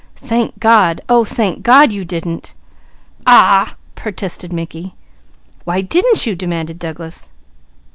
Thank God! Oh, thank God you didn't!" "Aw w ah!" protested Mickey. "Why didn't you?" demanded Douglas.